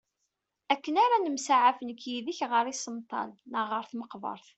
Akken ara nemsaɛaf nekk yid-k ɣer isemṭal neɣ ɣer tmeqbert.